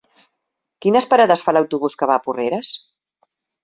Quines parades fa l'autobús que va a Porreres?